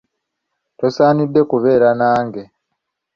Tosaanidde kubeera nange.